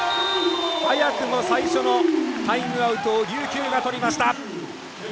早くも最初のタイムアウトを琉球がとりました。